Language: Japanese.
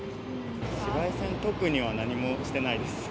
紫外線、特には何もしてないです。